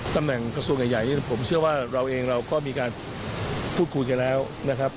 ตำแหน่งกระทรวงใหญ่ผมเชื่อว่าเราเองเราก็มีการพูดคุยกันแล้วนะครับ